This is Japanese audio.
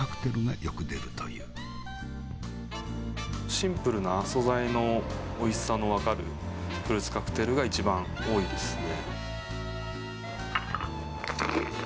シンプルな素材のおいしさの分かるフルーツカクテルが一番多いですね。